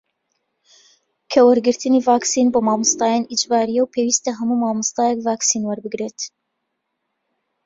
کە وەرگرتنی ڤاکسین بۆ مامۆستایان ئیجبارییە و پێویستە هەموو مامۆستایەک ڤاکسین وەربگرێت